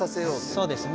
そうですね。